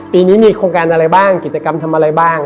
ปีนี้มีโครงการอะไรบ้างกิจกรรมทำอะไรบ้าง